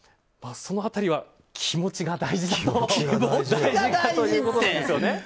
その辺りは気持ちが大事だということなんです。